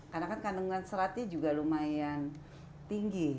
karena kan kandungan seratnya juga lumayan tinggi